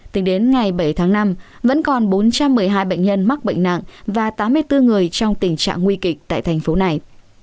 tính đến ngày bảy tháng năm vẫn còn bốn trăm một mươi hai bệnh nhân mắc bệnh nặng và tám mươi bốn người trong tình trạng nguy kịch tại thành phố này